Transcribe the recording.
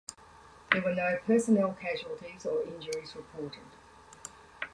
There were no personnel casualties or injuries reported.